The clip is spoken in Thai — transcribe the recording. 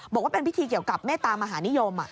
บอกว่าเป็นพิธีเกี่ยวกับเมตามหานิยม